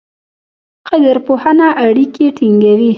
قدرپوهنه اړیکې ټینګوي.